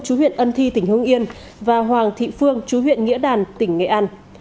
chú huyện ân thi tỉnh hương yên và hoàng thị phương chú huyện nghĩa đàn tỉnh nghệ an